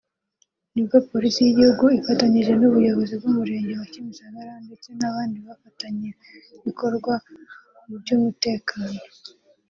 nibwo Polisi y’igihugu ifatanyije n’ubuyobozi bw’umurenge wa Kimisagara ndetse n’abandi bafatanyabikorwa mu by’umutekano